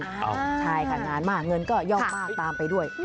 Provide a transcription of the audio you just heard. ใช่ค่ะนานมากเงินก็ย่อมมากตามไปด้วย